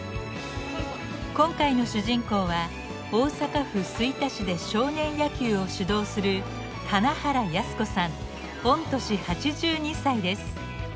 今回の主人公は大阪府吹田市で少年野球を指導する御年８２歳です。